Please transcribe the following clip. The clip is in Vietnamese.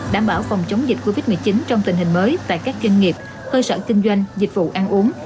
đảm bảo phòng chống dịch covid một mươi chín trong tình hình mới tại các doanh nghiệp cơ sở kinh doanh dịch vụ ăn uống